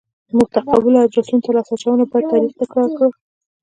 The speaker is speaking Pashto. متقابلو ادرسونو ته لاس اچونه بد تاریخ تکرار کړ.